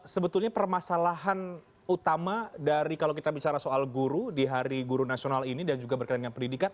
sebetulnya permasalahan utama dari kalau kita bicara soal guru di hari guru nasional ini dan juga berkaitan dengan pendidikan